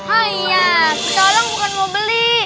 haiyaa sekalian bukan mau beli